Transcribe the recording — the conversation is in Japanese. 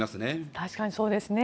確かにそうですね。